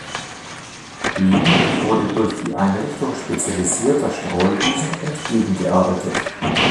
Dem wurde durch die Einrichtung spezialisierter Streuwiesen entgegen gearbeitet.